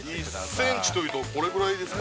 ◆１センチというとこれぐらいですか？